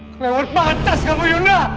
kelewat batas kamu yunda